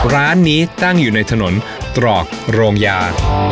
ร้านนี้ตั้งอยู่ในถนนตรอกโรงยา